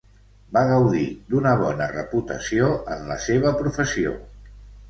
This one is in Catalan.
Va gaudir d'una bona reputació en la seva professió.